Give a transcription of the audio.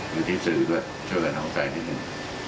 อยู่ที่สื่อด้วยเชิญกับเขาใจนิดนึง